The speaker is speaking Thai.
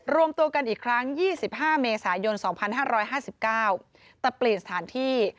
รวมตัวกันอีกครั้ง๒๕เมษายน๒๕๕๙แต่เปลี่ยนสถานที่